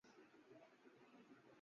وہاں خاص طرح کی جگہیں بنائی جاتی ہیں